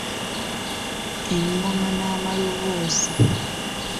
Engoma n’amaloboozi.